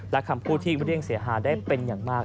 และคำพูดที่ไม่ได้ยิ่งเสียหาได้เป็นอย่างมาก